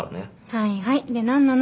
はいはいでなんなの？